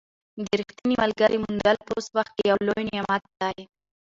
د ریښتیني ملګري موندل په اوس وخت کې یو لوی نعمت دی.